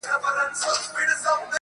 په ځان وهلو باندې خپل غزل ته رنگ ورکوي,